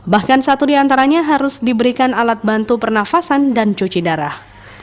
bahkan satu diantaranya harus diberikan alat bantu pernafasan dan cuci darah